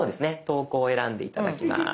投稿を選んで頂きます。